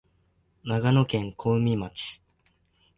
長野県小海町